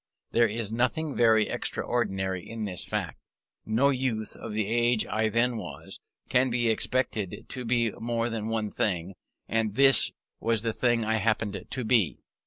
There is nothing very extraordinary in this fact: no youth of the age I then was, can be expected to be more than one thing, and this was the thing I happened to be.